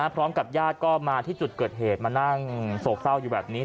พร้อมกับญาติก็มาที่จุดเกิดเหตุมานั่งโศกเศร้าอยู่แบบนี้